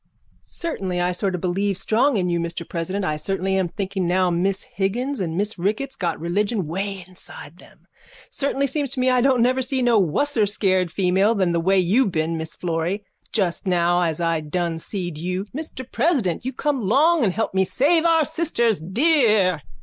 Certainly, I sort of believe strong in you, Mr President. I certainly am thinking now Miss Higgins and Miss Ricketts got religion way inside them. Certainly seems to me I don't never see no wusser scared female than the way you been, Miss Florry, just now as I done seed you. Mr President, you come long and help me save our sisters dear.